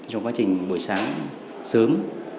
trong quá trình buổi sáng sớm